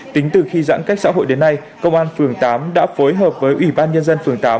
tính từ khi giãn cách xã hội đến nay công an phường tám đã phối hợp với ủy ban nhân dân phường tám